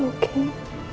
kamu di sini